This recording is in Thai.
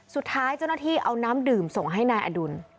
สุดท้ายเจ้าหน้าที่เอาน้ำดื่มส่งให้นายอดุล